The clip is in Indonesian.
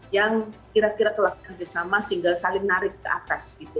yang kira kira kelas kerjasama sehingga saling narik ke atas gitu